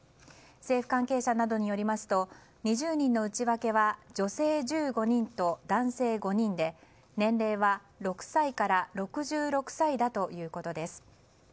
政府関係者などによりますと２０人の内訳は女性１５人と男性５人で年齢は６歳から６６歳だということです。